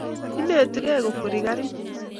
Inetigei kokweri karit